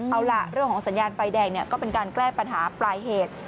เอาล่ะเรื่องของสัญญาณไฟแดงก็เป็นการแก้ปัญหาปลายเหตุ